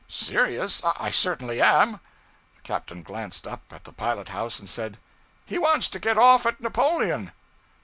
'Serious? I certainly am.' The captain glanced up at the pilot house and said 'He wants to get off at Napoleon!'